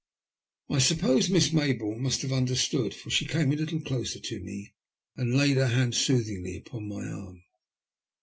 I suppose Miss Mayboume must have under stood, for she came a little closer to me and laid her hand soothingly upon my arm.